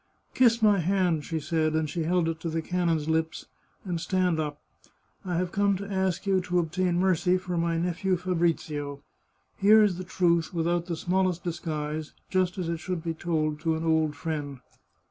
" Kiss my hand," she said, and she held it to the canon's lips, " and stand up. I have come to ask you to obtain mercy for my nephew Fabrizio. Here is the truth, without the smallest disguise, just as it should be told to an old friend.